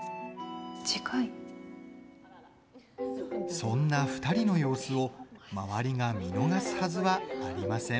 そんな２人の様子を周りが見逃すはずはありません。